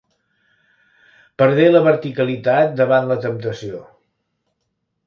Perdé la verticalitat davant la temptació.